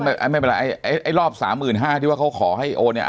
ไม่เป็นไรไอ้ไอ้รอบสามหมื่นห้าที่ว่าเขาขอให้โอนเนี่ย